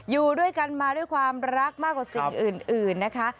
อยู่ด้วยกันมาด้วยความรักมากกว่าสิ่งอื่นนะคะ